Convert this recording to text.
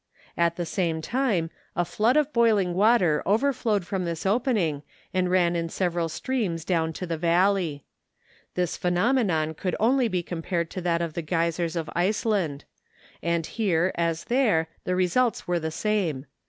At the same time a flood of boiling water over¬ flowed from this opening and ran in several streams down to the valley. This phenomenon could only be compared to that of the Greysers of Iceland; and here, as there, the results were the same.